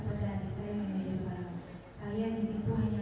tetapi penginginan yang setelah